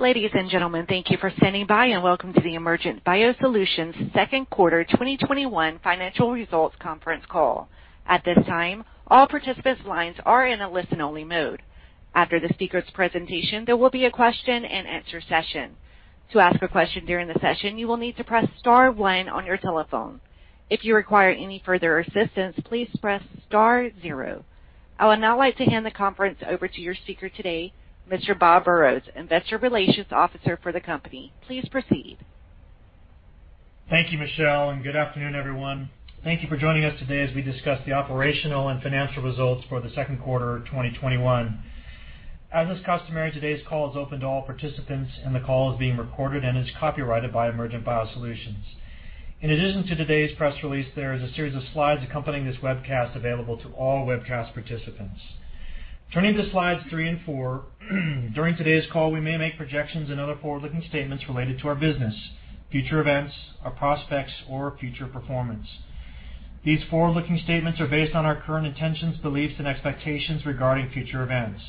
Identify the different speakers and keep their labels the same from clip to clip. Speaker 1: Ladies and gentlemen, thank you for standing by and welcome to the Emergent BioSolutions second quarter 2021 financial results conference call. At this time, all participants' lines are in a listen-only mode. After the speaker's presentation, there will be a question-and-answer session. To ask a question during the session, you will need to press star one on your telephone. If you require any further assistance, please press star zero. I would now like to hand the conference over to your speaker today, Mr. Bob Burrows, investor relations officer for the company. Please proceed.
Speaker 2: Thank you, Michelle. Good afternoon, everyone. Thank you for joining us today as we discuss the operational and financial results for the second quarter of 2021. As is customary, today's call is open to all participants. The call is being recorded and is copyrighted by Emergent BioSolutions. In addition to today's press release, there is a series of slides accompanying this webcast available to all webcast participants. Turning to slides three and four, during today's call, we may make projections and other forward-looking statements related to our business, future events, our prospects, or future performance. These forward-looking statements are based on our current intentions, beliefs, and expectations regarding future events.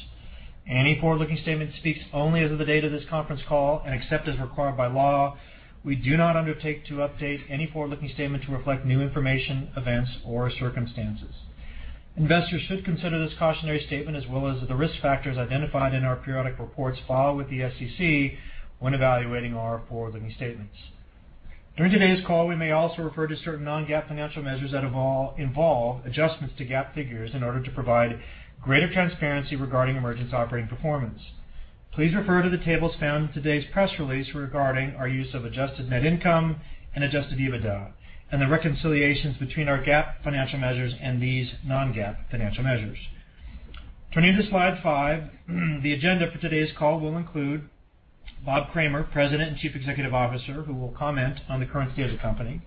Speaker 2: Any forward-looking statement speaks only as of the date of this conference call, and except as required by law, we do not undertake to update any forward-looking statement to reflect new information, events, or circumstances. Investors should consider this cautionary statement, as well as the risk factors identified in our periodic reports filed with the SEC when evaluating our forward-looking statements. During today's call, we may also refer to certain non-GAAP financial measures that involve adjustments to GAAP figures in order to provide greater transparency regarding Emergent's operating performance. Please refer to the tables found in today's press release regarding our use of adjusted net income and adjusted EBITDA, and the reconciliations between our GAAP financial measures and these non-GAAP financial measures. Turning to slide five, the agenda for today's call will include Bob Kramer, President and Chief Executive Officer, who will comment on the current state of the company,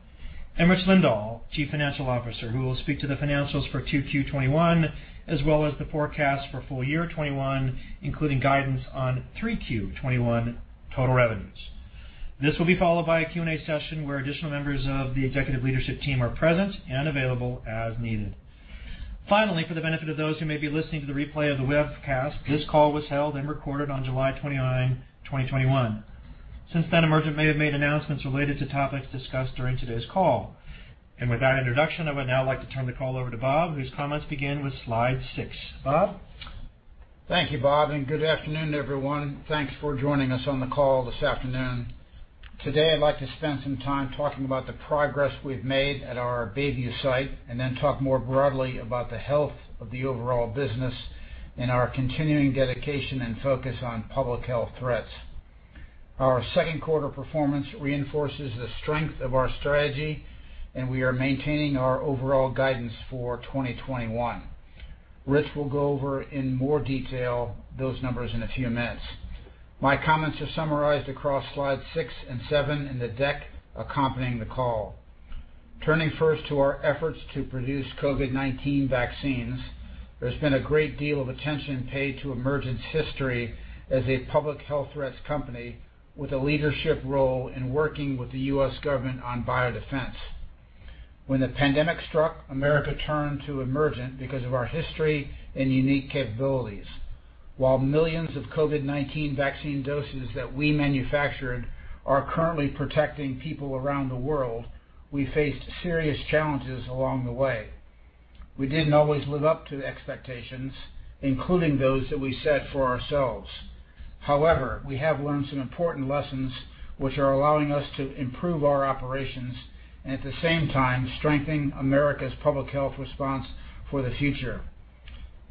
Speaker 2: and Rich Lindahl, Chief Financial Officer, who will speak to the financials for 2Q 2021, as well as the forecast for full year 2021, including guidance on 3Q 2021 total revenues. This will be followed by a Q&A session where additional members of the executive leadership team are present and available as needed. Finally, for the benefit of those who may be listening to the replay of the webcast, this call was held and recorded on July 29, 2021. Since then, Emergent may have made announcements related to topics discussed during today's call. With that introduction, I would now like to turn the call over to Bob, whose comments begin with slide six. Bob?
Speaker 3: Thank you, Bob. Good afternoon, everyone. Thanks for joining us on the call this afternoon. Today, I'd like to spend some time talking about the progress we've made at our Bayview site and then talk more broadly about the health of the overall business and our continuing dedication and focus on public health threats. Our second quarter performance reinforces the strength of our strategy, and we are maintaining our overall guidance for 2021. Rich will go over in more detail those numbers in a few minutes. My comments are summarized across slides six and seven in the deck accompanying the call. Turning first to our efforts to produce COVID-19 vaccines, there's been a great deal of attention paid to Emergent's history as a public health threats company with a leadership role in working with the U.S. government on biodefense. When the pandemic struck, America turned to Emergent because of our history and unique capabilities. While millions of COVID-19 vaccine doses that we manufactured are currently protecting people around the world, we faced serious challenges along the way. We didn't always live up to the expectations, including those that we set for ourselves. However, we have learned some important lessons which are allowing us to improve our operations and at the same time, strengthen America's public health response for the future.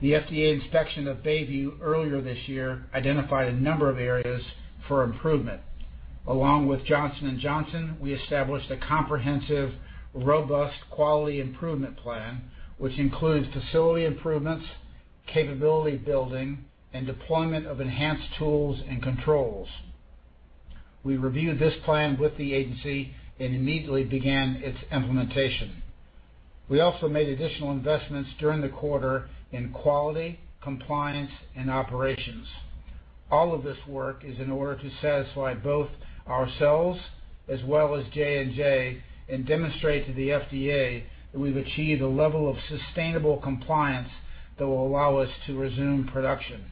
Speaker 3: The FDA inspection of Bayview earlier this year identified a number of areas for improvement. Along with Johnson & Johnson, we established a comprehensive, robust quality improvement plan, which includes facility improvements, capability building, and deployment of enhanced tools and controls. We reviewed this plan with the agency and immediately began its implementation. We also made additional investments during the quarter in quality, compliance, and operations. All of this work is in order to satisfy both ourselves as well as J&J and demonstrate to the FDA that we've achieved a level of sustainable compliance that will allow us to resume production.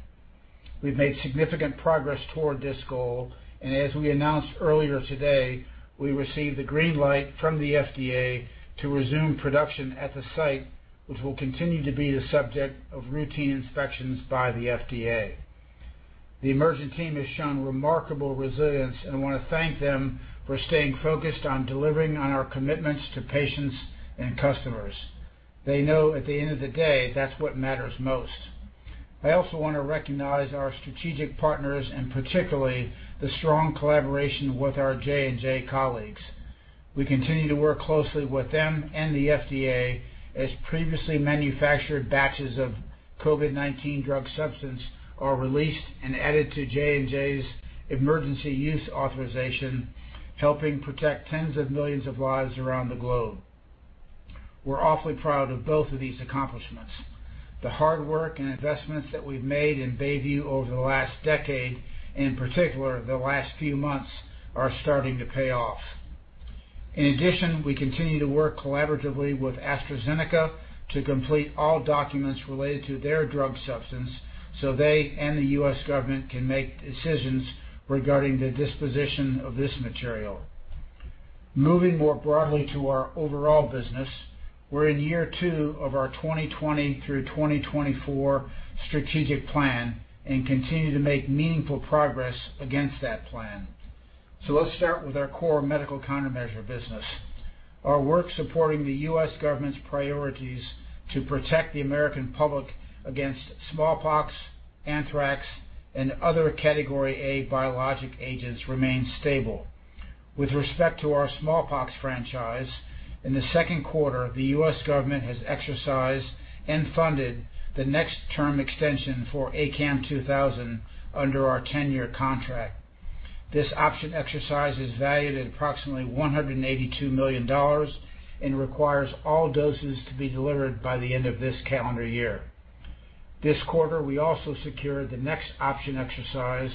Speaker 3: We've made significant progress toward this goal, and as we announced earlier today, we received the green light from the FDA to resume production at the site, which will continue to be the subject of routine inspections by the FDA. The Emergent team has shown remarkable resilience, and I want to thank them for staying focused on delivering on our commitments to patients and customers. They know at the end of the day, that's what matters most. I also want to recognize our strategic partners and particularly the strong collaboration with our J&J colleagues. We continue to work closely with them and the FDA as previously manufactured batches of COVID-19 drug substance are released and added to J&J's emergency use authorization, helping protect tens of millions of lives around the globe. We're awfully proud of both of these accomplishments. The hard work and investments that we've made in Bayview over the last decade, in particular the last few months, are starting to pay off. In addition, we continue to work collaboratively with AstraZeneca to complete all documents related to their drug substance so they and the U.S. government can make decisions regarding the disposition of this material. Moving more broadly to our overall business, we're in year two of our 2020 through 2024 strategic plan and continue to make meaningful progress against that plan. Let's start with our core medical countermeasure business. Our work supporting the U.S. government's priorities to protect the American public against smallpox, anthrax, and other Category A biologic agents remains stable. With respect to our smallpox franchise, in the second quarter, the U.S. government has exercised and funded the next term extension for ACAM2000 under our 10-year contract. This option exercise is valued at approximately $182 million and requires all doses to be delivered by the end of this calendar year. This quarter, we also secured the next option exercise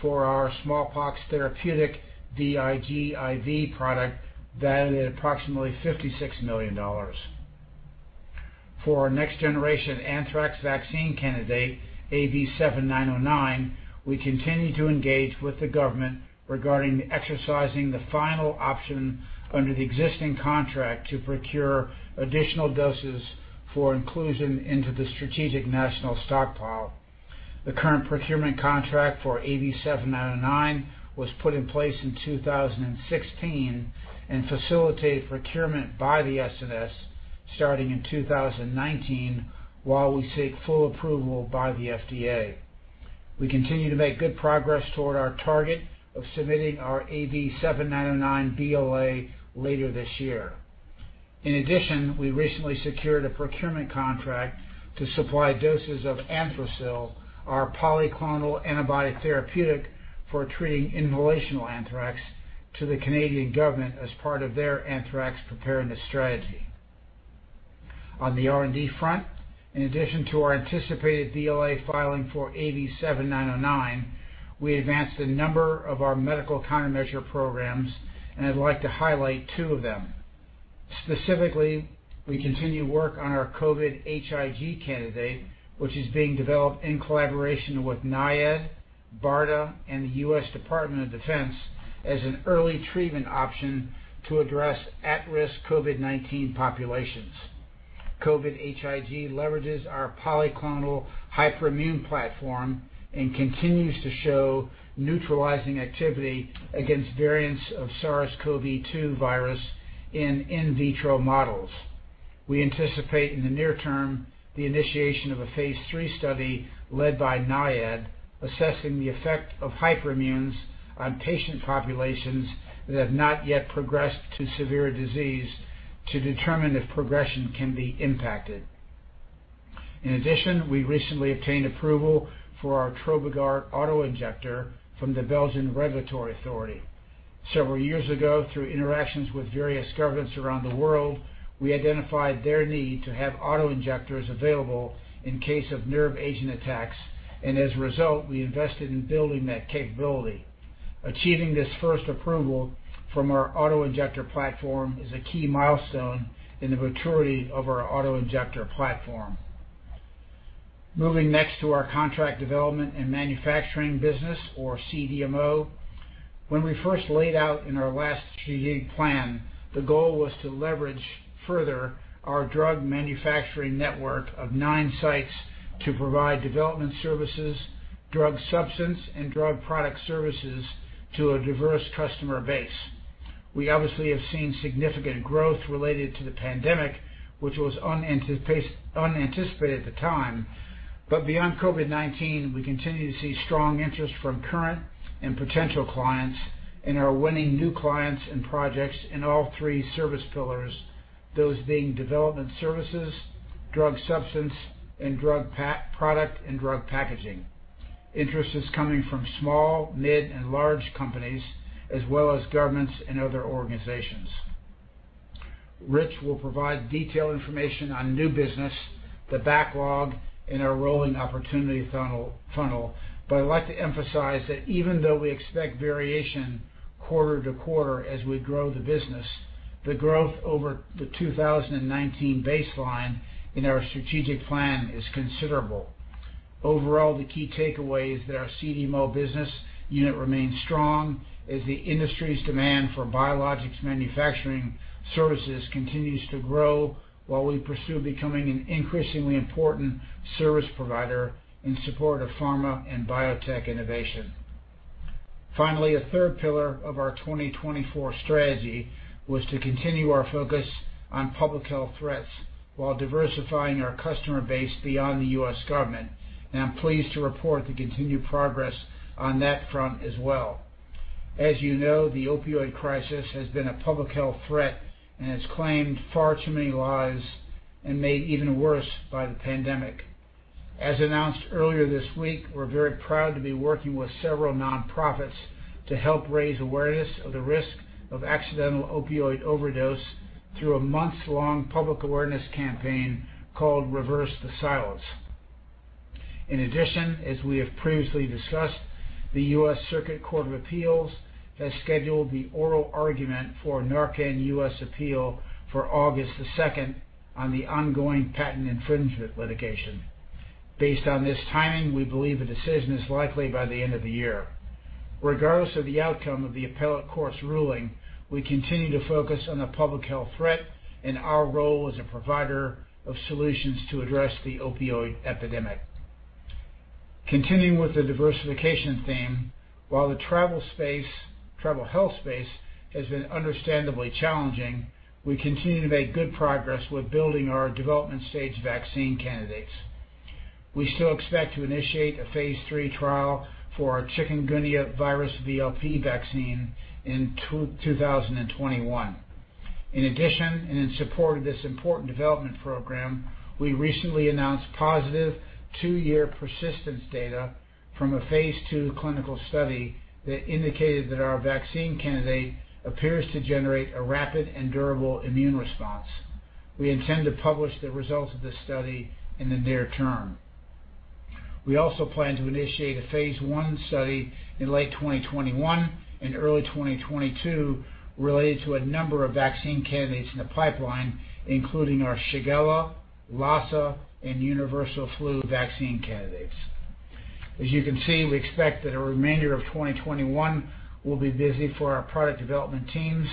Speaker 3: for our smallpox therapeutic VIGIV product, valued at approximately $56 million. For our next generation anthrax vaccine candidate, AV7909, we continue to engage with the government regarding exercising the final option under the existing contract to procure additional doses for inclusion into the Strategic National Stockpile. The current procurement contract for AV7909 was put in place in 2016 and facilitated procurement by the SNS starting in 2019, while we seek full approval by the FDA. We continue to make good progress toward our target of submitting our AV7909 BLA later this year. In addition, we recently secured a procurement contract to supply doses of Anthrasil, our polyclonal antibody therapeutic for treating inhalational anthrax, to the Canadian government as part of their anthrax preparedness strategy. On the R&D front, in addition to our anticipated BLA filing for AV7909, we advanced a number of our medical countermeasure programs, and I'd like to highlight two of them. Specifically, we continue work on our COVID-HIG candidate, which is being developed in collaboration with NIAID, BARDA, and the U.S. Department of Defense as an early treatment option to address at-risk COVID-19 populations. COVID-HIG leverages our polyclonal hyperimmune platform and continues to show neutralizing activity against variants of SARS-CoV-2 virus in in vitro models. We anticipate in the near term the initiation of a phase III study led by NIAID, assessing the effect of hyperimmunes on patient populations that have not yet progressed to severe disease to determine if progression can be impacted. In addition, we recently obtained approval for our Trobigard auto-injector from the Belgian Regulatory Authority. Several years ago, through interactions with various governments around the world, we identified their need to have auto-injectors available in case of nerve agent attacks, as a result, we invested in building that capability. Achieving this first approval from our auto-injector platform is a key milestone in the maturity of our auto-injector platform. Moving next to our contract development and manufacturing business or CDMO. When we first laid out in our last strategic plan, the goal was to leverage further our drug manufacturing network of nine sites to provide development services, drug substance, and drug product services to a diverse customer base. We obviously have seen significant growth related to the pandemic, which was unanticipated at the time, but beyond COVID-19, we continue to see strong interest from current and potential clients and are winning new clients and projects in all three service pillars, those being development services, drug substance, and drug product and drug packaging. Interest is coming from small, mid, and large companies, as well as governments and other organizations. Rich will provide detailed information on new business, the backlog, and our rolling opportunity funnel. I'd like to emphasize that even though we expect variation quarter to quarter as we grow the business, the growth over the 2019 baseline in our strategic plan is considerable. Overall, the key takeaway is that our CDMO business unit remains strong as the industry's demand for biologics manufacturing services continues to grow while we pursue becoming an increasingly important service provider in support of pharma and biotech innovation. A third pillar of our 2024 strategy was to continue our focus on public health threats while diversifying our customer base beyond the U.S. government. I'm pleased to report the continued progress on that front as well. As you know, the opioid crisis has been a public health threat and has claimed far too many lives and made even worse by the pandemic. As announced earlier this week, we're very proud to be working with several nonprofits to help raise awareness of the risk of accidental opioid overdose through a months-long public awareness campaign called Reverse the Silence. In addition, as we have previously discussed, the U.S. Court of Appeals has scheduled the oral argument for NARCAN, U.S. appeal for August the 2nd on the ongoing patent infringement litigation. Based on this timing, we believe a decision is likely by the end of the year. Regardless of the outcome of the appellate court's ruling, we continue to focus on the public health threat and our role as a provider of solutions to address the opioid epidemic. Continuing with the diversification theme, while the travel health space has been understandably challenging, we continue to make good progress with building our development stage vaccine candidates. We still expect to initiate a phase III trial for our Chikungunya virus VLP vaccine in 2021. In addition, and in support of this important development program, we recently announced positive two-year persistence data from a phase II clinical study that indicated that our vaccine candidate appears to generate a rapid and durable immune response. We intend to publish the results of this study in the near term. We also plan to initiate a phase I study in late 2021 and early 2022 related to a number of vaccine candidates in the pipeline, including our Shigella, Lassa, and universal flu vaccine candidates. As you can see, we expect that a remainder of 2021 will be busy for our product development teams,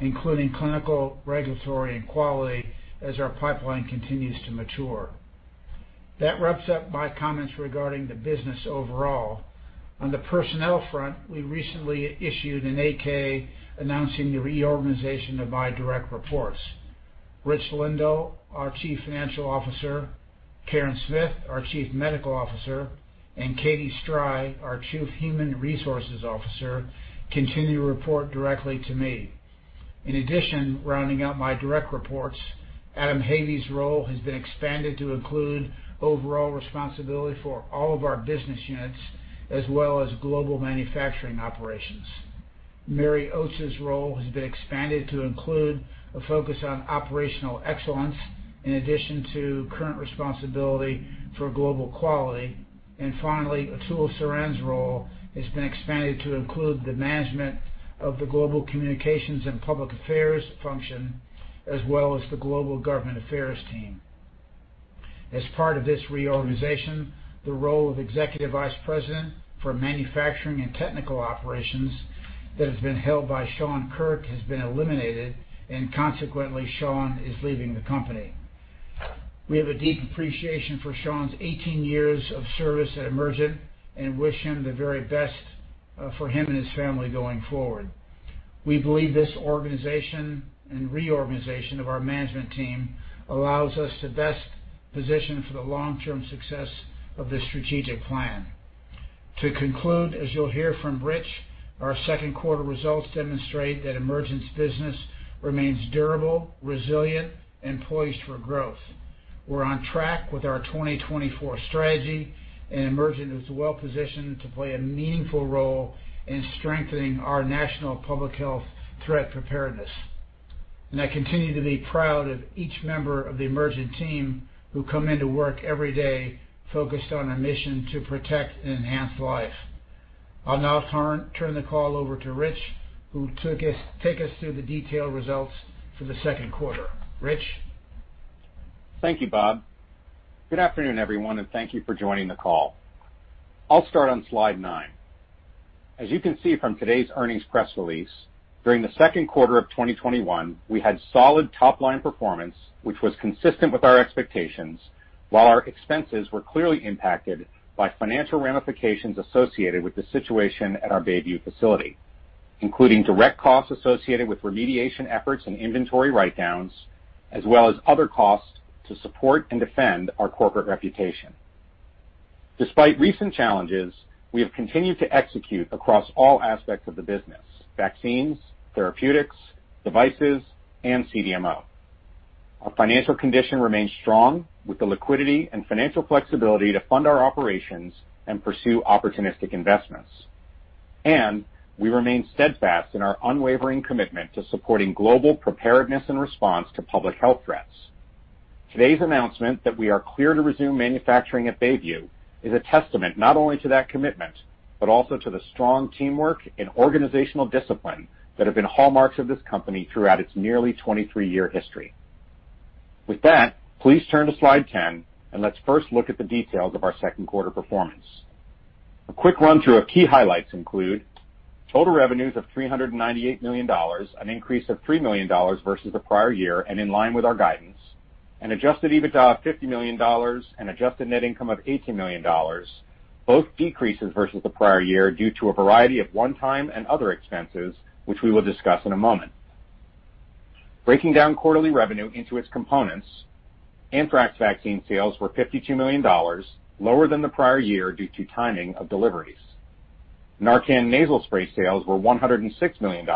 Speaker 3: including clinical, regulatory, and quality, as our pipeline continues to mature. That wraps up my comments regarding the business overall. On the personnel front, we recently issued an 8-K announcing the reorganization of my direct reports. Rich Lindahl, our Chief Financial Officer, Karen Smith, our Chief Medical Officer, and Katy Strei, our Chief Human Resources Officer, continue to report directly to me. In addition, rounding out my direct reports, Adam Havey's role has been expanded to include overall responsibility for all of our business units, as well as global manufacturing operations. Mary Oates' role has been expanded to include a focus on operational excellence in addition to current responsibility for global quality. Finally, Atul Saran's role has been expanded to include the management of the global communications and public affairs function, as well as the global government affairs team. As part of this reorganization, the role of Executive Vice President for Manufacturing and Technical Operations that has been held by Sean Kirk has been eliminated. Consequently, Sean is leaving the company. We have a deep appreciation for Sean's 18 years of service at Emergent and wish him the very best for him and his family going forward. We believe this organization and reorganization of our management team allows us to best position for the long-term success of this strategic plan. To conclude, as you'll hear from Rich, our second quarter results demonstrate that Emergent's business remains durable, resilient, and poised for growth. We're on track with our 2024 strategy. Emergent is well-positioned to play a meaningful role in strengthening our national public health threat preparedness. I continue to be proud of each member of the Emergent team who come into work every day focused on a mission to protect and enhance life. I'll now turn the call over to Rich, who will take us through the detailed results for the second quarter. Rich?
Speaker 4: Thank you, Bob. Good afternoon, everyone, and thank you for joining the call. I'll start on slide nine. As you can see from today's earnings press release, during the second quarter of 2021, we had solid top-line performance, which was consistent with our expectations, while our expenses were clearly impacted by financial ramifications associated with the situation at our Bayview facility, including direct costs associated with remediation efforts and inventory write-downs, as well as other costs to support and defend our corporate reputation. Despite recent challenges, we have continued to execute across all aspects of the business, vaccines, therapeutics, devices, and CDMO. Our financial condition remains strong with the liquidity and financial flexibility to fund our operations and pursue opportunistic investments. We remain steadfast in our unwavering commitment to supporting global preparedness and response to public health threats. Today's announcement that we are clear to resume manufacturing at Bayview is a testament not only to that commitment, but also to the strong teamwork and organizational discipline that have been hallmarks of this company throughout its nearly 23-year history. With that, please turn to slide 10, and let's first look at the details of our second quarter performance. A quick run-through of key highlights include total revenues of $398 million, an increase of $3 million versus the prior year and in line with our guidance, an adjusted EBITDA of $50 million and adjusted net income of $18 million. Both decreases versus the prior year due to a variety of one-time and other expenses, which we will discuss in a moment. Breaking down quarterly revenue into its components, anthrax vaccine sales were $52 million, lower than the prior year due to timing of deliveries. NARCAN Nasal Spray sales were $106 million,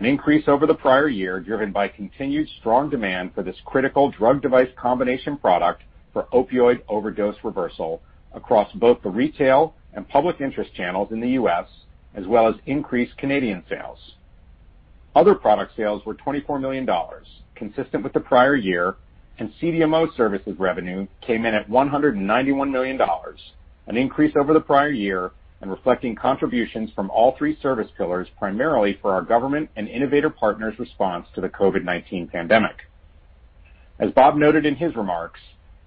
Speaker 4: an increase over the prior year, driven by continued strong demand for this critical drug device combination product for opioid overdose reversal across both the retail and public interest channels in the U.S., as well as increased Canadian sales. Other product sales were $24 million, consistent with the prior year, and CDMO services revenue came in at $191 million, an increase over the prior year, and reflecting contributions from all three service pillars, primarily for our government and innovator partners' response to the COVID-19 pandemic. As Bob noted in his remarks,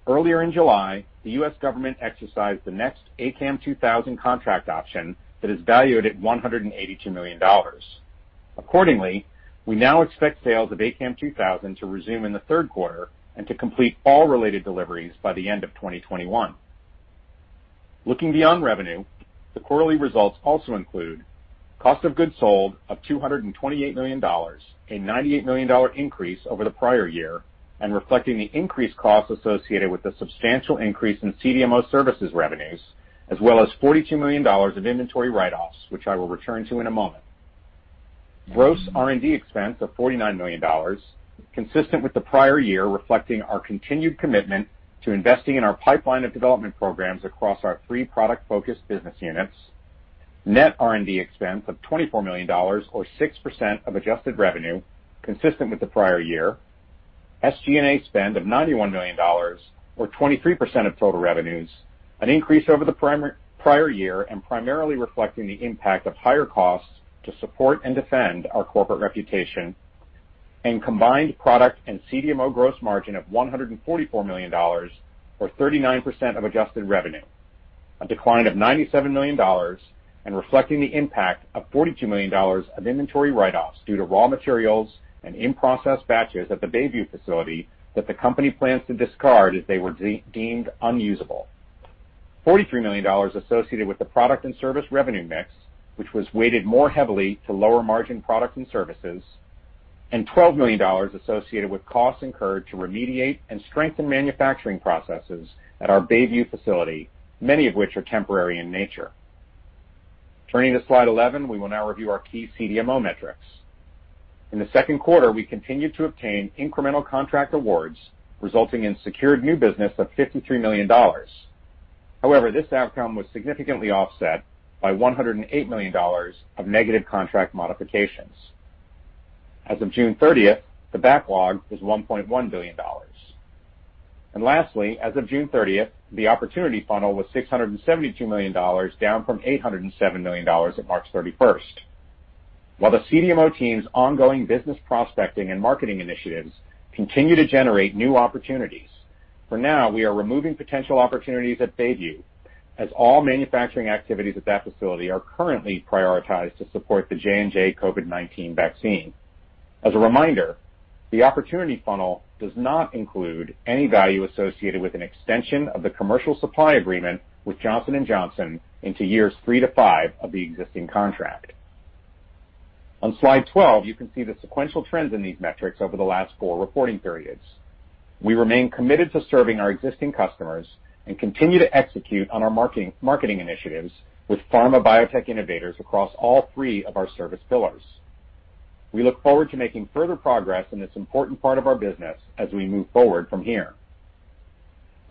Speaker 4: earlier in July, the U.S. government exercised the next ACAM2000 contract option that is valued at $182 million. Accordingly, we now expect sales of ACAM2000 to resume in the third quarter and to complete all related deliveries by the end of 2021. Looking beyond revenue, the quarterly results also include cost of goods sold of $228 million, a $98 million increase over the prior year, reflecting the increased costs associated with the substantial increase in CDMO services revenues, as well as $42 million of inventory write-offs, which I will return to in a moment. Gross R&D expense of $49 million, consistent with the prior year, reflecting our continued commitment to investing in our pipeline of development programs across our three product-focused business units. Net R&D expense of $24 million or 6% of adjusted revenue, consistent with the prior year. SG&A spend of $91 million or 23% of total revenues, an increase over the prior year and primarily reflecting the impact of higher costs to support and defend our corporate reputation. Combined product and CDMO gross margin of $144 million or 39% of adjusted revenue. A decline of $97 million and reflecting the impact of $42 million of inventory write-offs due to raw materials and in-process batches at the Bayview facility that the company plans to discard as they were deemed unusable. $43 million associated with the product and service revenue mix, which was weighted more heavily to lower-margin products and services, and $12 million associated with costs incurred to remediate and strengthen manufacturing processes at our Bayview facility, many of which are temporary in nature. Turning to slide 11, we will now review our key CDMO metrics. In the second quarter, we continued to obtain incremental contract awards, resulting in secured new business of $53 million. This outcome was significantly offset by $108 million of negative contract modifications. As of June 30th, the backlog was $1.1 billion. Lastly, as of June 30th, the opportunity funnel was $672 million, down from $807 million at March 31st. While the CDMO team's ongoing business prospecting and marketing initiatives continue to generate new opportunities, for now we are removing potential opportunities at Bayview as all manufacturing activities at that facility are currently prioritized to support the J&J COVID-19 vaccine. As a reminder, the opportunity funnel does not include any value associated with an extension of the commercial supply agreement with Johnson & Johnson into years three to five of the existing contract. On slide 12, you can see the sequential trends in these metrics over the last four reporting periods. We remain committed to serving our existing customers and continue to execute on our marketing initiatives with pharma biotech innovators across all three of our service pillars. We look forward to making further progress in this important part of our business as we move forward from here.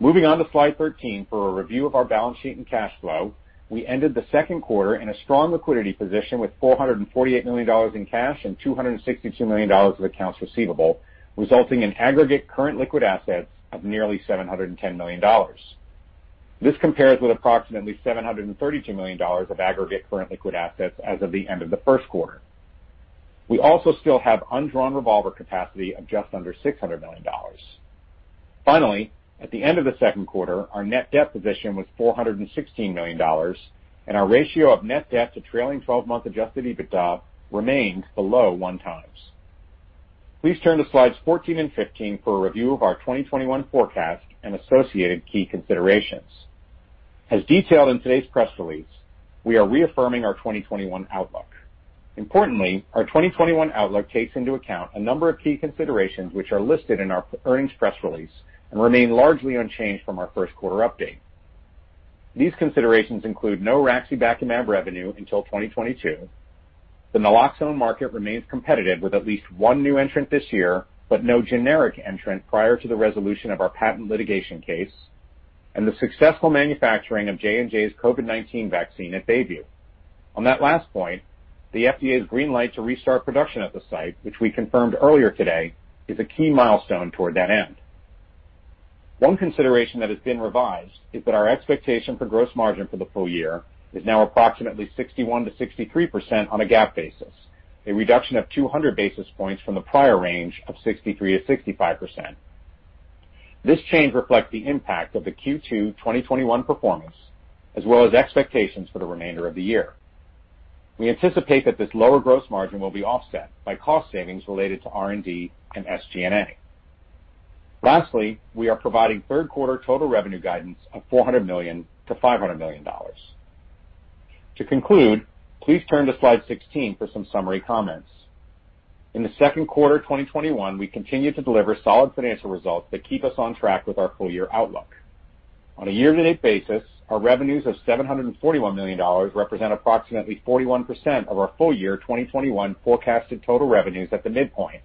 Speaker 4: Moving on to slide 13 for a review of our balance sheet and cash flow. We ended the second quarter in a strong liquidity position with $448 million in cash and $262 million of accounts receivable, resulting in aggregate current liquid assets of nearly $710 million. This compares with approximately $732 million of aggregate current liquid assets as of the end of the first quarter. We also still have undrawn revolver capacity of just under $600 million. Finally, at the end of the second quarter, our net debt position was $416 million, and our ratio of net debt to trailing 12-month adjusted EBITDA remains below one times. Please turn to slides 14 and 15 for a review of our 2021 forecast and associated key considerations. As detailed in today's press release, we are reaffirming our 2021 outlook. Importantly, our 2021 outlook takes into account a number of key considerations which are listed in our earnings press release and remain largely unchanged from our first quarter update. These considerations include no raxibacumab revenue until 2022. The naloxone market remains competitive with at least one new entrant this year, but no generic entrant prior to the resolution of our patent litigation case, and the successful manufacturing of J&J's COVID-19 vaccine at Bayview. On that last point, the FDA's green light to restart production at the site, which we confirmed earlier today, is a key milestone toward that end. One consideration that has been revised is that our expectation for gross margin for the full year is now approximately 61%-63% on a GAAP basis, a reduction of 200 basis points from the prior range of 63%-65%. This change reflects the impact of the Q2 2021 performance, as well as expectations for the remainder of the year. We anticipate that this lower gross margin will be offset by cost savings related to R&D and SG&A. Lastly, we are providing third quarter total revenue guidance of $400 million-$500 million. To conclude, please turn to slide 16 for some summary comments. In the second quarter 2021, we continued to deliver solid financial results that keep us on track with our full-year outlook. On a year-to-date basis, our revenues of $741 million represent approximately 41% of our full-year 2021 forecasted total revenues at the midpoint,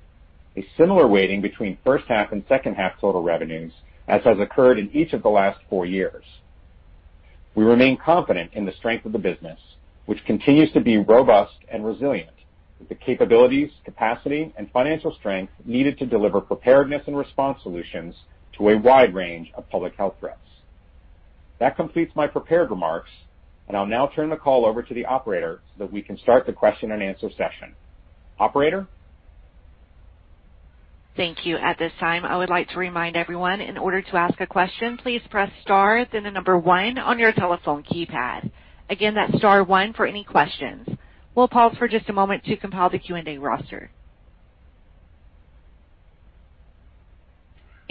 Speaker 4: a similar weighting between first half and second half total revenues as has occurred in each of the last four years. We remain confident in the strength of the business, which continues to be robust and resilient, with the capabilities, capacity, and financial strength needed to deliver preparedness and response solutions to a wide range of public health threats. That completes my prepared remarks, I'll now turn the call over to the operator so that we can start the question-and-answer session. Operator?
Speaker 1: Thank you. At this time, I would like to remind everyone, in order to ask a question, please press star then the number one on your telephone keypad. Again, that's star one for any questions. We'll pause for just a moment to compile the Q&A roster.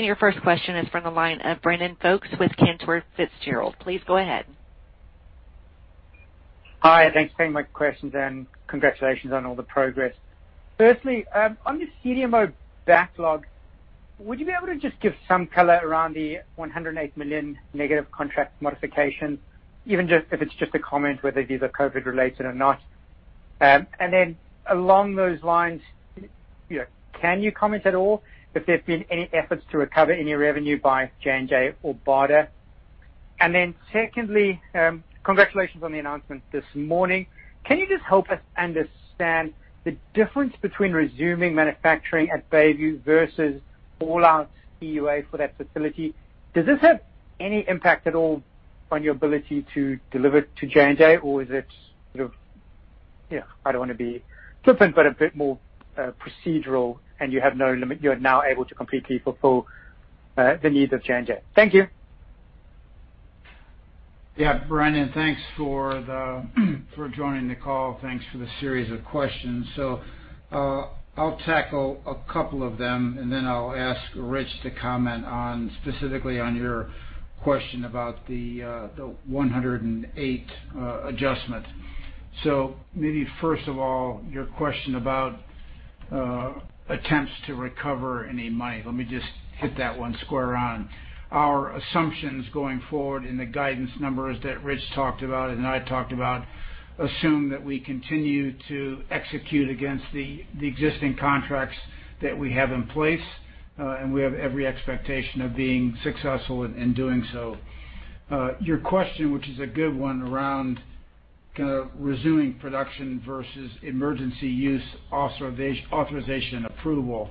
Speaker 1: Your first question is from the line of Brandon Folkes with Cantor Fitzgerald. Please go ahead.
Speaker 5: Hi, thanks for taking my questions, and congratulations on all the progress. Firstly, on the CDMO backlog, would you be able to just give some color around the $108 million negative contract modification, even if it's just a comment whether these are COVID related or not? Along those lines, can you comment at all if there's been any efforts to recover any revenue by J&J or BARDA? Secondly, congratulations on the announcement this morning. Can you just help us understand the difference between resuming manufacturing at Bayview versus all-out EUA for that facility? Does this have any impact at all on your ability to deliver to J&J? Or is it sort of, I don't want to be flippant, but a bit more procedural and you have no limit, you are now able to completely fulfill the needs of J&J? Thank you.
Speaker 3: Yeah. Brandon, thanks for joining the call. Thanks for the series of questions. I'll tackle a couple of them, and then I'll ask Rich to comment on, specifically on your question about the 108 adjustment. Maybe first of all, your question about attempts to recover any money. Let me just hit that one square on. Our assumptions going forward in the guidance numbers that Rich talked about and I talked about assume that we continue to execute against the existing contracts that we have in place, and we have every expectation of being successful in doing so. Your question, which is a good one, around resuming production versus emergency use authorization approval.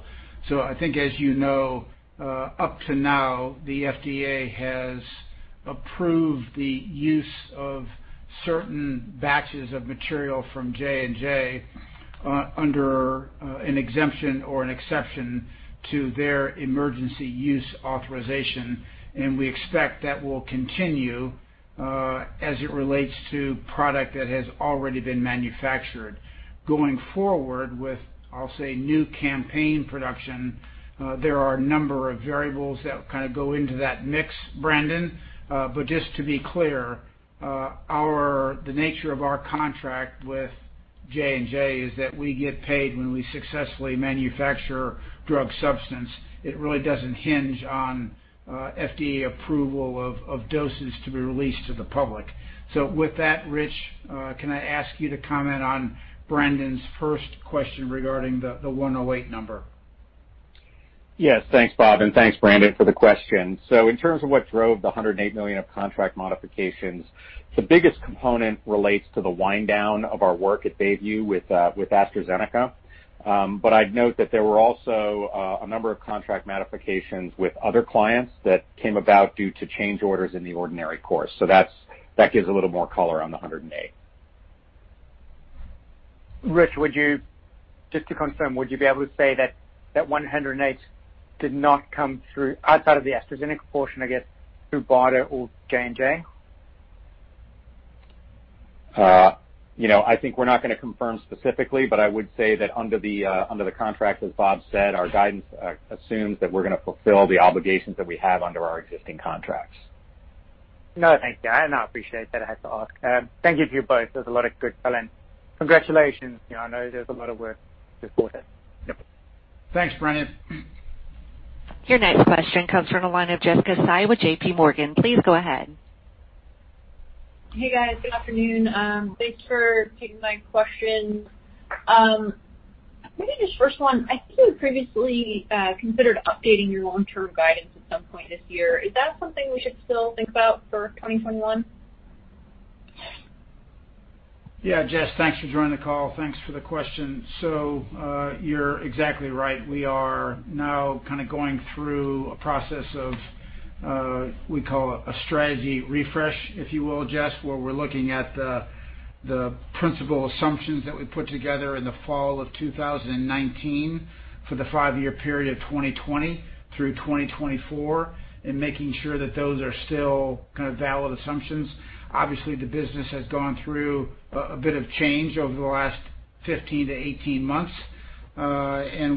Speaker 3: I think as you know, up to now, the FDA has approved the use of certain batches of material from J&J under an exemption or an exception to their emergency use authorization, and we expect that will continue as it relates to product that has already been manufactured. Going forward with, I'll say, new campaign production, there are a number of variables that kind of go into that mix, Brandon. Just to be clear, the nature of our contract with J&J is that we get paid when we successfully manufacture drug substance. It really doesn't hinge on FDA approval of doses to be released to the public. With that, Rich, can I ask you to comment on Brandon's first question regarding the 108 number?
Speaker 4: Yes. Thanks, Bob, and thanks, Brandon, for the question. In terms of what drove the $108 million of contract modifications, the biggest component relates to the wind down of our work at Bayview with AstraZeneca. I'd note that there were also a number of contract modifications with other clients that came about due to change orders in the ordinary course. That gives a little more color on the $108.
Speaker 5: Rich, just to confirm, would you be able to say that that $108 did not come through outside of the AstraZeneca portion, I guess, through BARDA or J&J?
Speaker 4: I think we're not going to confirm specifically, but I would say that under the contract, as Bob said, our guidance assumes that we're going to fulfill the obligations that we have under our existing contracts.
Speaker 5: No, thank you. I appreciate that. I had to ask. Thank you to you both. There's a lot of good color. Congratulations. I know there's a lot of work to support it.
Speaker 3: Yep. Thanks, Brandon.
Speaker 1: Your next question comes from the line of Jessica Fye with JPMorgan. Please go ahead.
Speaker 6: Hey, guys. Good afternoon. Thanks for taking my question. Maybe just first one, I think you had previously considered updating your long-term guidance at some point this year. Is that something we should still think about for 2021?
Speaker 3: Yeah, Jess, thanks for joining the call. Thanks for the question. You're exactly right. We are now going through a process of we call a strategy refresh, if you will, Jess, where we're looking at the principal assumptions that we put together in the fall of 2019 for the five-year period of 2020 through 2024, and making sure that those are still valid assumptions. Obviously, the business has gone through a bit of change over the last 15-18 months.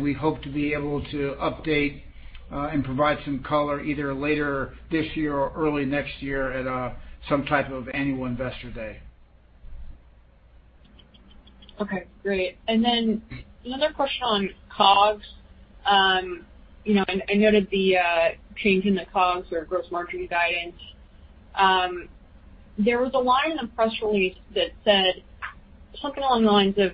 Speaker 3: We hope to be able to update and provide some color either later this year or early next year at some type of annual investor day.
Speaker 6: Okay, great. Another question on COGS. I noted the change in the COGS or gross margin guidance. There was a line in the press release that said, talking along the lines of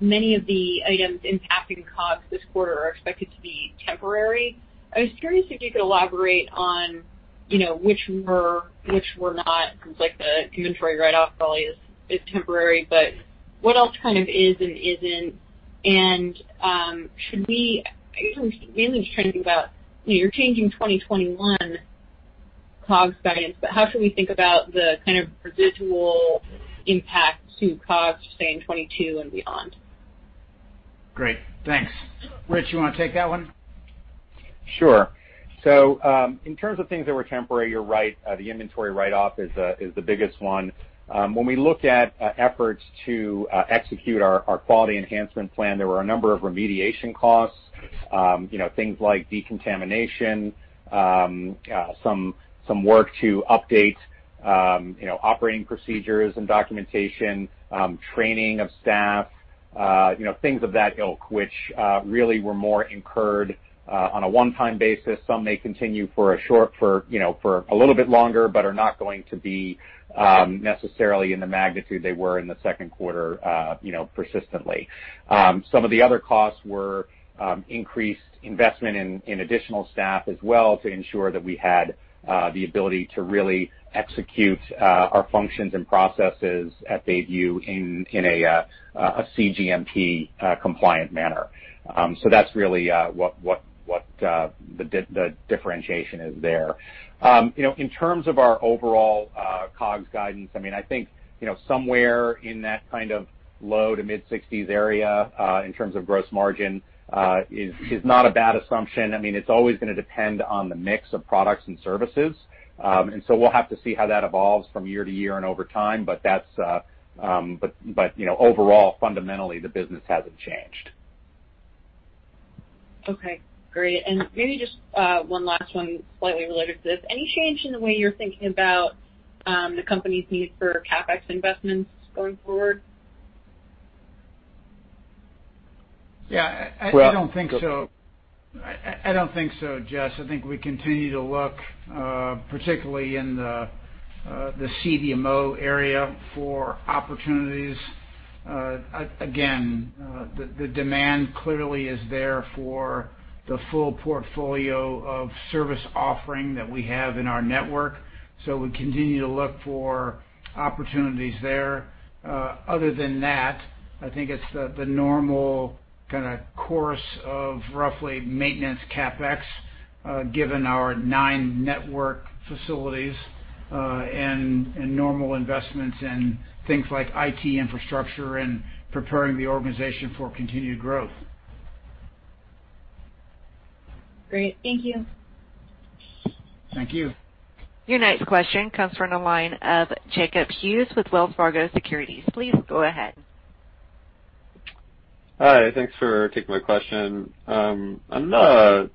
Speaker 6: many of the items impacting COGS this quarter are expected to be temporary. I was curious if you could elaborate on which were, which were not, because the inventory write-off probably is temporary. What else kind of is and isn't? I guess I'm really just trying to think about, you're changing 2021 COGS guidance, but how should we think about the kind of residual impact to COGS, say, in 2022 and beyond?
Speaker 3: Great, thanks. Rich, you want to take that one?
Speaker 4: In terms of things that were temporary, you're right, the inventory write-off is the biggest one. When we look at efforts to execute our quality enhancement plan, there were a number of remediation costs. Things like decontamination, some work to update operating procedures and documentation, training of staff, things of that ilk, which really were more incurred on a one-time basis. Some may continue for a little bit longer but are not going to be necessarily in the magnitude they were in the second quarter persistently. Some of the other costs were increased investment in additional staff as well to ensure that we had the ability to really execute our functions and processes at Bayview in a cGMP compliant manner. That's really what the differentiation is there. In terms of our overall COGS guidance, I think somewhere in that kind of low to mid-60s area in terms of gross margin is not a bad assumption. It's always going to depend on the mix of products and services. We'll have to see how that evolves from year to year and over time, but overall, fundamentally, the business hasn't changed.
Speaker 6: Okay, great. Maybe just one last one slightly related to this. Any change in the way you're thinking about the company's need for CapEx investments going forward?
Speaker 3: Yeah, I don't think so. I don't think so, Jess. I think we continue to look particularly in the CDMO area for opportunities. Again, the demand clearly is there for the full portfolio of service offering that we have in our network. We continue to look for opportunities there. Other than that, I think it's the normal kind of course of roughly maintenance CapEx, given our nine network facilities, and normal investments in things like IT infrastructure and preparing the organization for continued growth.
Speaker 6: Great. Thank you.
Speaker 3: Thank you.
Speaker 1: Your next question comes from the line of Jacob Hughes with Wells Fargo Securities. Please go ahead.
Speaker 7: Hi, thanks for taking my question. On the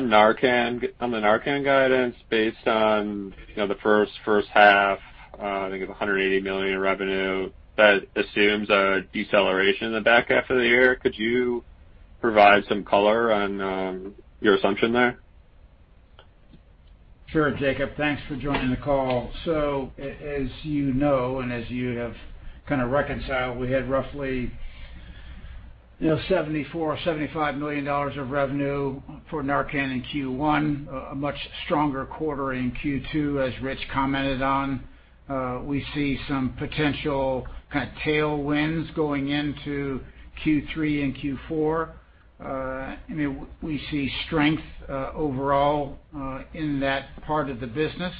Speaker 7: NARCAN guidance, based on the first half, I think of $180 million in revenue, that assumes a deceleration in the back half of the year. Could you provide some color on your assumption there?
Speaker 3: Sure, Jacob, thanks for joining the call. As you know, and as you have kind of reconciled, we had roughly $74 million-$75 million of revenue for NARCAN in Q1. A much stronger quarter in Q2, as Rich commented on. We see some potential kind of tailwinds going into Q3 and Q4. We see strength overall in that part of the business.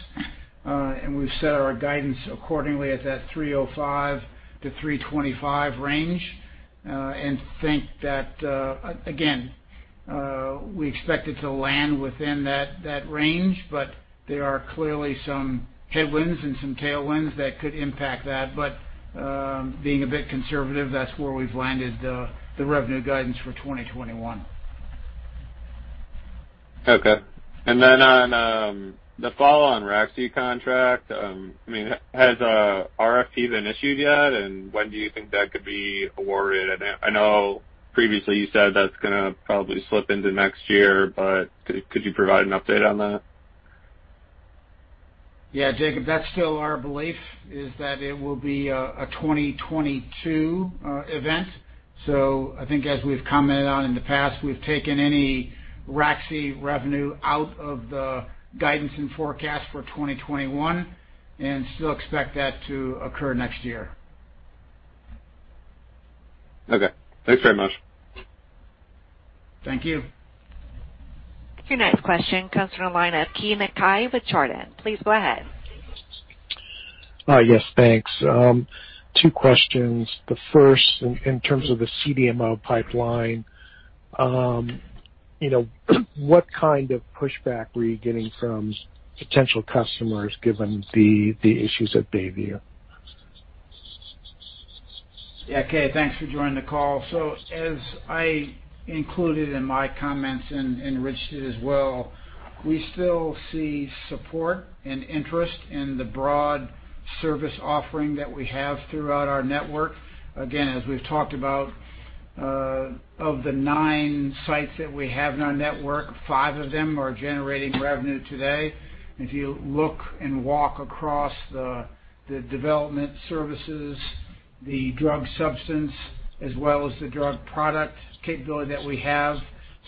Speaker 3: We've set our guidance accordingly at that $305 million-$325 million range. Think that, again, we expect it to land within that range, but there are clearly some headwinds and some tailwinds that could impact that. Being a bit conservative, that's where we've landed the revenue guidance for 2021.
Speaker 7: Okay. On the follow-on RAXI contract, has RFP been issued yet? When do you think that could be awarded? I know previously you said that's going to probably slip into next year, but could you provide an update on that?
Speaker 3: Yeah, Jacob, that's still our belief is that it will be a 2022 event. I think as we've commented on in the past, we've taken any RAXI revenue out of the guidance and forecast for 2021 and still expect that to occur next year.
Speaker 7: Okay. Thanks very much.
Speaker 3: Thank you.
Speaker 1: Your next question comes from the line of Keay Nakae with Chardan. Please go ahead.
Speaker 8: Yes, thanks. Two questions. The first, in terms of the CDMO pipeline, what kind of pushback were you getting from potential customers given the issues at Bayview?
Speaker 3: Yeah, Keay, thanks for joining the call. As I included in my comments and Rich did as well, we still see support and interest in the broad service offering that we have throughout our network. As we've talked about, of the nine sites that we have in our network, five of them are generating revenue today. If you look and walk across the development services, the drug substance as well as the drug product capability that we have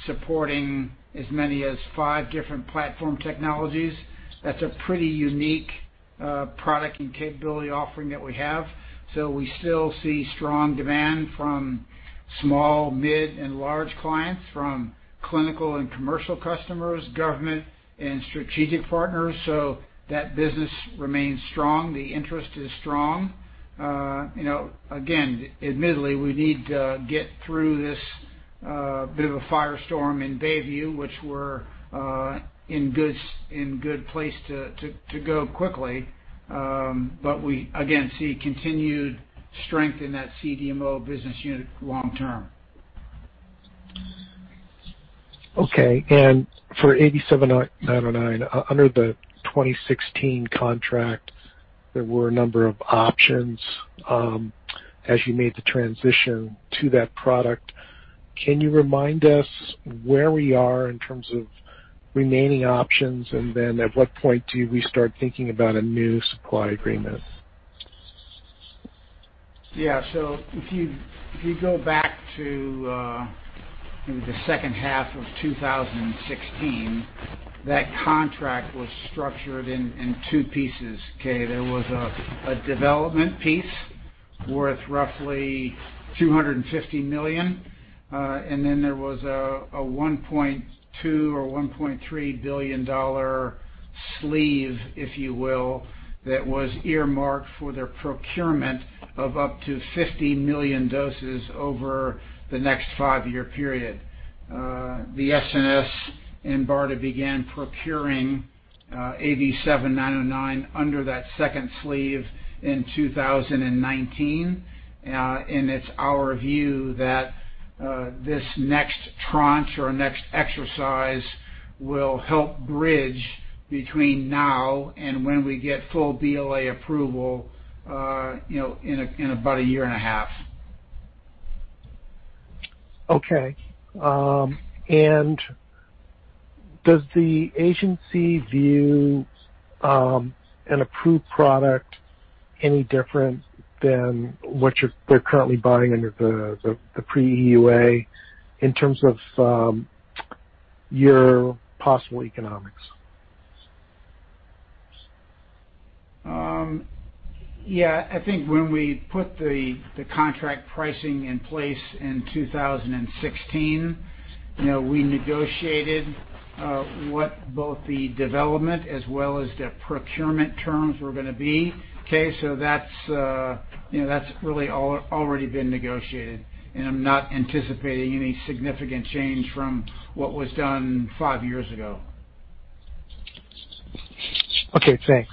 Speaker 3: supporting as many as five different platform technologies. That's a pretty unique product and capability offering that we have. We still see strong demand from small, mid, and large clients, from clinical and commercial customers, government and strategic partners. That business remains strong. The interest is strong. Admittedly, we need to get through this bit of a firestorm in Bayview, which we're in good place to go quickly. We, again, see continued strength in that CDMO business unit long term.
Speaker 8: Okay. For AV7909, under the 2016 contract, there were a number of options as you made the transition to that product. Can you remind us where we are in terms of remaining options, and then at what point do we start thinking about a new supply agreement?
Speaker 3: Yeah. If you go back to the second half of 2016, that contract was structured in two pieces, okay? There was a development piece worth roughly $250 million, and then there was a $1.2 or $1.3 billion sleeve, if you will, that was earmarked for their procurement of up to 50 million doses over the next five-year period. The SNS and BARDA began procuring AV7909 under that second sleeve in 2019. It's our view that this next tranche or next exercise will help bridge between now and when we get full BLA approval in about a year and a half.
Speaker 8: Okay. Does the agency view an approved product any different than what they're currently buying under the pre-EUA in terms of your possible economics?
Speaker 3: I think when we put the contract pricing in place in 2016, we negotiated what both the development as well as the procurement terms were going to be. Okay, that's really already been negotiated, and I'm not anticipating any significant change from what was done five years ago.
Speaker 8: Okay, thanks.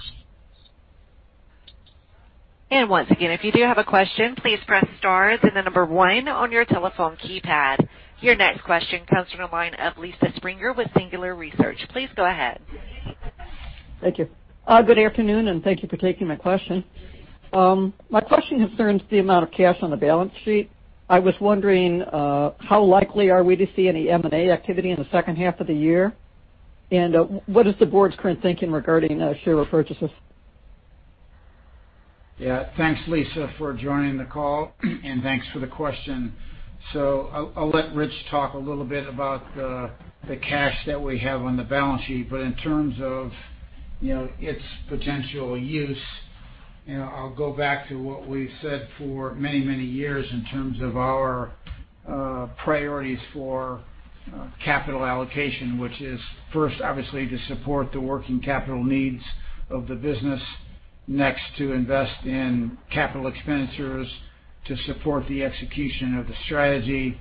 Speaker 1: Once again, if you do have a question, please press star then number one on your telephone keypad. Your next question comes from the line of Lisa Springer with Singular Research. Please go ahead.
Speaker 9: Thank you. Good afternoon, and thank you for taking my question. My question concerns the amount of cash on the balance sheet. I was wondering how likely are we to see any M&A activity in the second half of the year, and what is the board's current thinking regarding share repurchases?
Speaker 3: Thanks, Lisa, for joining the call, and thanks for the question. I'll let Rich talk a little bit about the cash that we have on the balance sheet, but in terms of its potential use, I'll go back to what we've said for many years in terms of our priorities for capital allocation, which is first, obviously, to support the working capital needs of the business. Next, to invest in capital expenditures to support the execution of the strategy.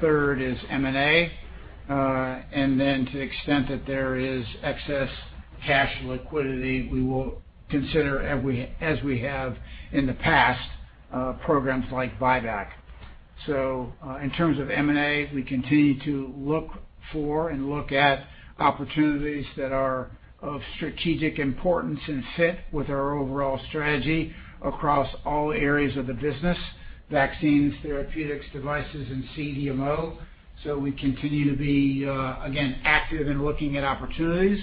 Speaker 3: Third is M&A. To the extent that there is excess cash liquidity, we will consider, as we have in the past, programs like buyback. In terms of M&A, we continue to look for and look at opportunities that are of strategic importance and fit with our overall strategy across all areas of the business, vaccines, therapeutics, devices, and CDMO. We continue to be, again, active in looking at opportunities.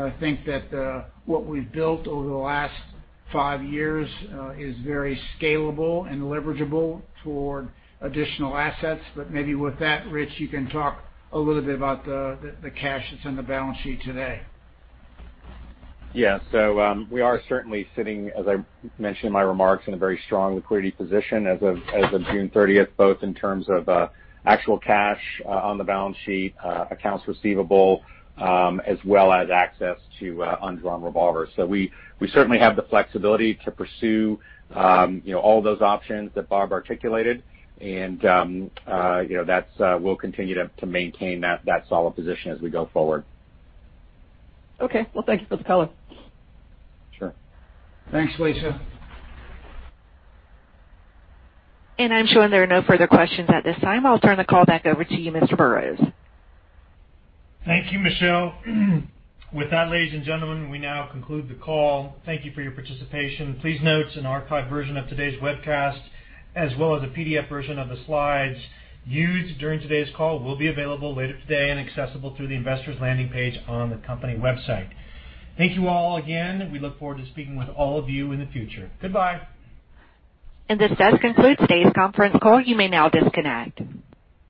Speaker 3: I think that what we've built over the last five years is very scalable and leverageable toward additional assets. Maybe with that, Rich, you can talk a little bit about the cash that's on the balance sheet today.
Speaker 4: Yeah. We are certainly sitting, as I mentioned in my remarks, in a very strong liquidity position as of June 30th, both in terms of actual cash on the balance sheet, accounts receivable, as well as access to undrawn revolvers. We certainly have the flexibility to pursue all those options that Bob articulated, and we'll continue to maintain that solid position as we go forward.
Speaker 9: Okay. Well, thank you for the color.
Speaker 4: Sure.
Speaker 3: Thanks, Lisa.
Speaker 1: I'm showing there are no further questions at this time. I'll turn the call back over to you, Mr. Burrows.
Speaker 2: Thank you, Michelle. With that, ladies and gentlemen, we now conclude the call. Thank you for your participation. Please note an archived version of today's webcast, as well as a PDF version of the slides used during today's call, will be available later today and accessible through the investors landing page on the company website. Thank you all again. We look forward to speaking with all of you in the future. Goodbye.
Speaker 1: This does conclude today's conference call. You may now disconnect.